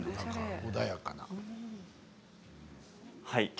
穏やかな。